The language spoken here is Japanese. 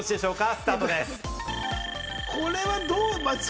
スタートです。